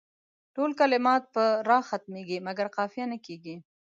ټول کلمات پر راء ختمیږي مګر قافیه نه کیږي.